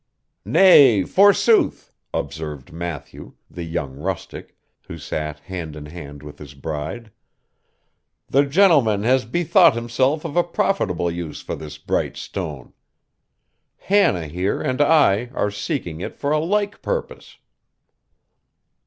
'Nay, forsooth,' observed Matthew, the young rustic, who sat hand in hand with his bride, 'the gentleman has bethought himself of a profitable use for this bright stone. Hannah here and I are seeking it for a like purpose.